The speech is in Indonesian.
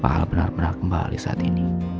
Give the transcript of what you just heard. pak aldebaran benar benar kembali saat ini